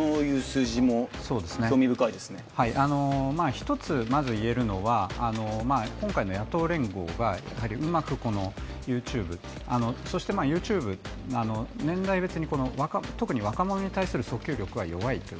１つまず言えるのは今回の野党連合がうまくＹｏｕＴｕｂｅ、そして年代別に、特に若者に対する訴求力が弱い。